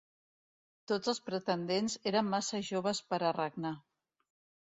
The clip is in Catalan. Tots els pretendents eren massa joves per a regnar.